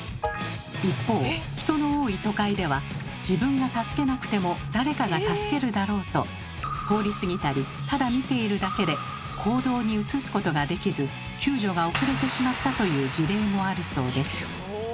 一方人の多い都会では「自分が助けなくても誰かが助けるだろう」と通り過ぎたりただ見ているだけで行動に移すことができず救助が遅れてしまったという事例もあるそうです。